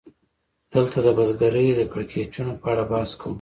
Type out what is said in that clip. دلته د بزګرۍ د کړکېچونو په اړه بحث کوو